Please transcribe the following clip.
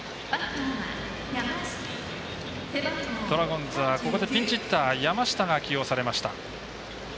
ドラゴンズはここでピンチヒッター山下が起用されました。